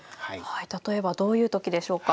例えばどういうときでしょうか？